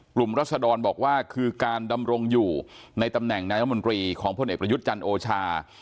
กลุ่มรัศดรนส์บอกว่าคือการดำรงอยู่ในตำแหน่งนมรของผลเอกประยุทธ์จรรโอชา